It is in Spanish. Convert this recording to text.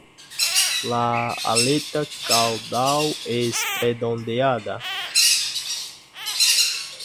La aleta caudal es redondeada.